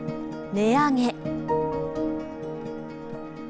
値上げ。